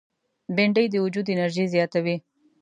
بېنډۍ د وجود انرژي زیاتوي